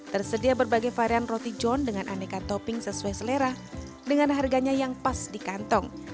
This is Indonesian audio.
tersedia berbagai varian roti john dengan aneka topping sesuai selera dengan harganya yang pas di kantong